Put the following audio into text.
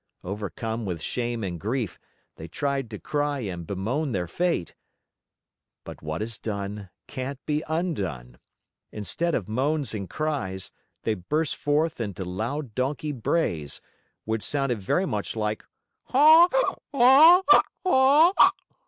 Overcome with shame and grief, they tried to cry and bemoan their fate. But what is done can't be undone! Instead of moans and cries, they burst forth into loud donkey brays, which sounded very much like, "Haw! Haw! Haw!"